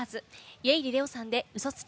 家入レオさんで「嘘つき」。